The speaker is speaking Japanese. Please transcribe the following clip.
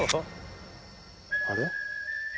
あれ？